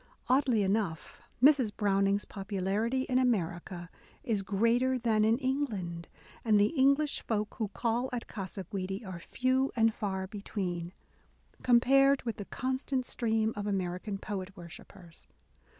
Oddly enough, Mrs. Browning's popularity in America is greater than in England, and the English folk who call at Gasa Guidi are few and far between, compared with the constant stream of American poet worshippers.